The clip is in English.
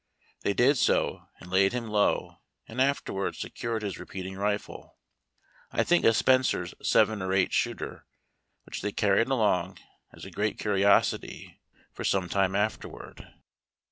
Tliey did so and laid him low, and afterwards secured his repeating rifle — I think a Spencer's seven or eight shooter — which they carried along, as a great curiosity, for some time afterward.